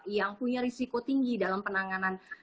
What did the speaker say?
yang punya risiko tinggi dalam penanganan